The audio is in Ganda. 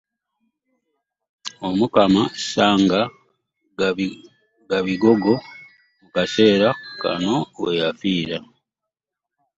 Omukama Ssansa Gabigogo mu kaseera kano we yafiira.